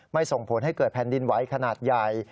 ส่งผลให้เกิดแผ่นดินไหวขนาดใหญ่